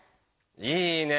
いいね！